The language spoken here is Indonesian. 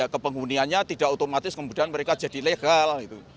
kepenghuniannya tidak otomatis kemudian mereka jadi legal